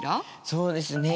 そうですね